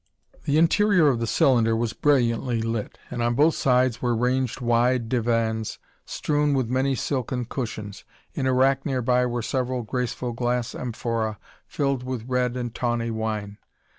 The interior of the cylinder was brilliantly lit and on both sides were ranged wide divans, strewn with many silken cushions. In a rack nearby were several graceful glass amphora, filled with red and tawny wine.